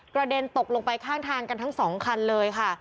เด็นตกลงไปข้างทางกันทั้งสองคันเลยค่ะ